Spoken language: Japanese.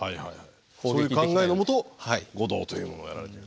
そういう考えのもと護道というものをやられてる。